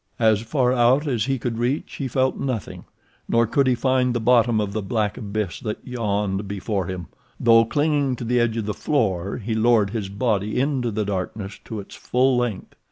As far out as he could reach he felt nothing, nor could he find the bottom of the black abyss that yawned before him, though, clinging to the edge of the floor, he lowered his body into the darkness to its full length.